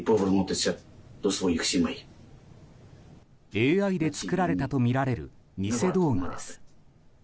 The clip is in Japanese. ＡＩで作られたとみられる偽動画です。